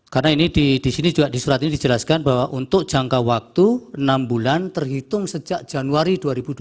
karena ini disini juga di surat ini dijelaskan bahwa untuk jangka waktu enam bulan terhitung sejak januari dua ribu dua puluh empat